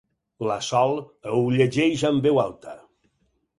La Sol ho llegeix en veu alta.